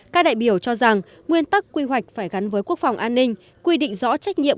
các đại biểu cho rằng nguyên tắc quy hoạch phải gắn với quốc phòng an ninh quy định rõ trách nhiệm